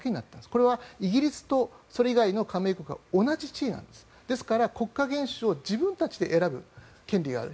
これはイギリスとほかの地域は同じ地位なんですですから国家元首を自分たちで選ぶ権利がある。